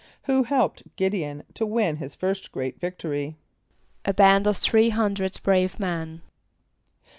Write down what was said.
= Who helped [=G][)i]d´e on to win his first great victory? =A band of three hundred brave men.